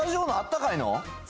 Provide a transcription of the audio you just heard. あったかい。